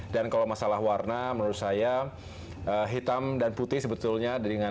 dan kalau masalah warna menurut saya hitam dan putih sebetulnya